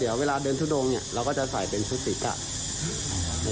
เดี๋ยวเวลาเดินทุดงเราก็จะใส่เป็นชุดสีกลักษณ์